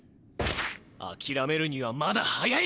あきらめるにはまだ早い！